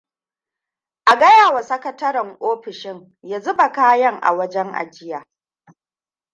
A gayawa sakataren ofishin ya zuba kayan a wajen ajiya.